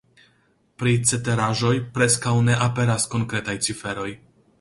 Pri ceteraĵoj preskaŭ ne aperas konkretaj ciferoj.